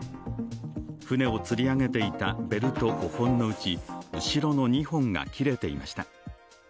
船をつり上げていたベルト５本のうち後ろの２本が切れていました。